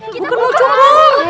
bukan mau cumpul